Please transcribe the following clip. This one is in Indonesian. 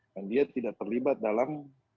dan dia tidak terlibat dalam